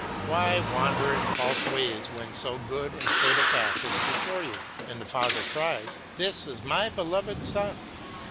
Why wander in false ways when so good and straight a path is before you, and the Father cries, " This is my beloved Son